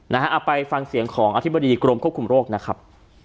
เอาไปฟังเสียงของอธิบดีกรมควบคุมโรคนะครับ